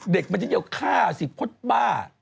เด็กมันจะเยี่ยมข้าสิพจน์บ้า